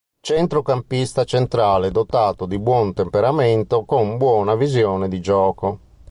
Centrocampista centrale dotato di buon temperamento con buona visione di gioco.